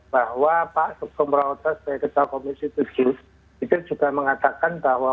bahwa pak sukomoroto sebagai ketua komisi tujuh itu juga mengatakan bahwa